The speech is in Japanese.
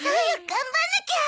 頑張んなきゃ！